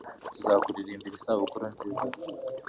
tuzakuririmbira isabukuru nziza